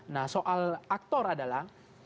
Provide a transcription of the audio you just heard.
nah soal aktor adalah